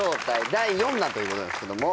第４弾ということなんですけども。